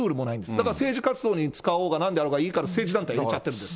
だから政治活動に使おうが、なんであろうがいいから政治団体に入れちゃってるんです。